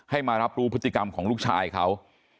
มารับรู้พฤติกรรมของลูกชายเขา